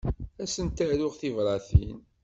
Ad sent-aruɣ tibratin.